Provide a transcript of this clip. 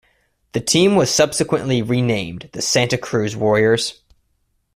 The team was subsequently renamed the Santa Cruz Warriors.